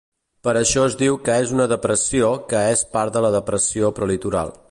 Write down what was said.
Per això es diu que és una depressió que és part de la Depressió Prelitoral.